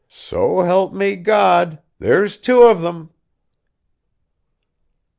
So help me God, there's two of them!"